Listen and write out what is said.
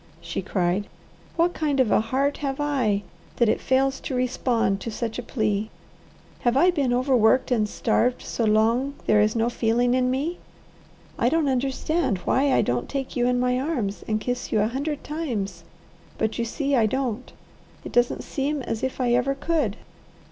she cried. "What kind of a heart have I that it fails to respond to such a plea? Have I been overworked and starved so long there is no feeling in me? I don't understand why I don't take you in my arms and kiss you a hundred times, but you see I don't. It doesn't seem as if I ever could."